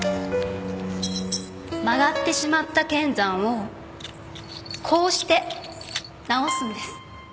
曲がってしまった剣山をこうして直すんです。